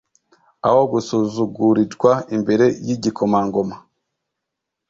aho gusuzugurirwa imbere y'igikomangoma